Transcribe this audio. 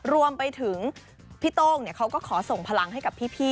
รวมไปถึงพี่โต้งเขาก็ขอส่งพลังให้กับพี่